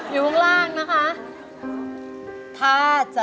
อยู่ข้างล่างนะคะ